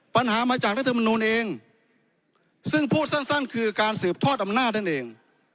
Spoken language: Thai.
ปัญหามาจากรัฐมนูลเองซึ่งพูดสั้นคือการสืบทอดอำนาจนั่นเอง